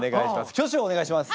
挙手をお願いします。